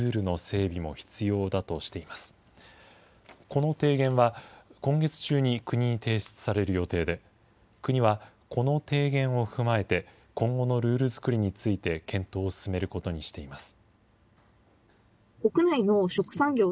この提言は、今月中に国に提出される予定で、国はこの提言を踏まえて、今後のルール作りについて検討を進めることにしています。